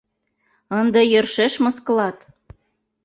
Ынде йӧршеш мыскылат!..